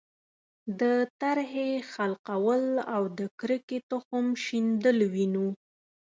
د ترهې خلقول او د کرکې تخم شیندل وینو.